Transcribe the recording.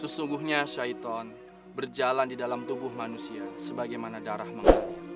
sesungguhnya syaiton berjalan di dalam tubuh manusia sebagaimana darah mengalir